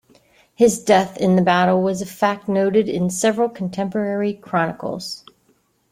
His death in the battle was a fact noted in several contemporary chronicles.